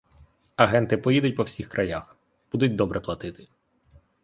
Агенти поїдуть по всіх краях, будуть добре платити.